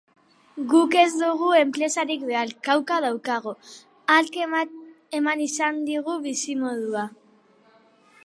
Guk ez dugu enpresarik behar, Cauca daukagu; hark eman izan digu bizimodua.